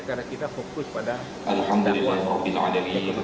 karena kita fokus pada jadwal ekonomi